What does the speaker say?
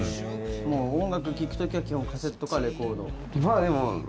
もう音楽聴く時は基本カセットかレコード。